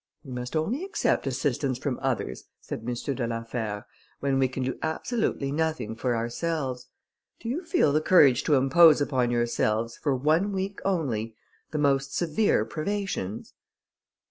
"We must only accept assistance from others," said M. de la Fère, "when we can do absolutely nothing for ourselves. Do you feel the courage to impose upon yourselves, for one week only, the most severe privations?"